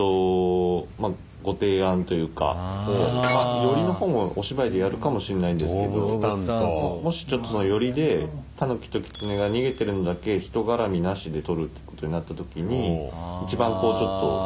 寄りの方をお芝居でやるかもしれないんですけどもしちょっとそういう寄りでタヌキとキツネが逃げているのだけ人絡みなしで撮ることになった時に一番こうちょっと。